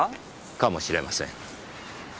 かもしれません。